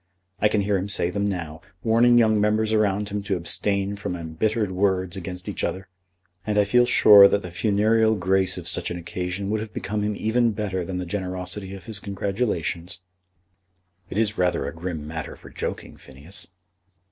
I can hear him say them now, warning young members around him to abstain from embittered words against each other, and I feel sure that the funereal grace of such an occasion would have become him even better than the generosity of his congratulations." "It is rather grim matter for joking, Phineas."